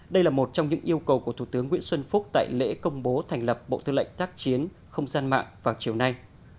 đây là một trong những yêu cầu của thủ tướng nguyễn xuân phúc tại lễ công bố thành lập bộ tư lệnh tác chiến không gian mạng vào chiều nay